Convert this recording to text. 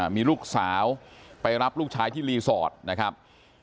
มีลูกสาวไปรับลูกชายที่รีสอร์ทนะครับ